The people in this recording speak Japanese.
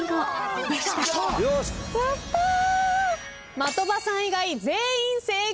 的場さん以外全員正解。